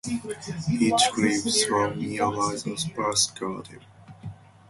It leaves from nearby the spice garden.